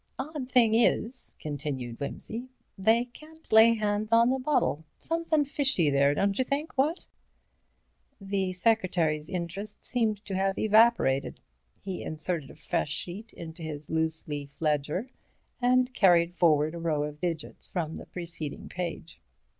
"Odd thing is," continued Wimsey, "they can't lay hands on the bottle. Somethin' fishy there, don't you think, what?" The secretary's interest seemed to have evaporated. He inserted a fresh sheet into his loose leaf ledger, and carried forward a row of digits from the preceding page.